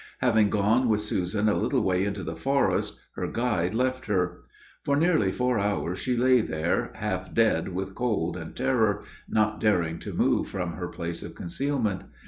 Having gone with Susan a little way into the forest, her guide left her. For nearly four hours she lay there, half dead with cold and terror, not daring to move from her place of concealment.